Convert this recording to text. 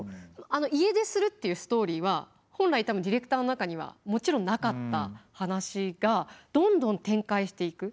家出するっていうストーリーは本来多分ディレクターの中にはもちろんなかった話がどんどん展開していく。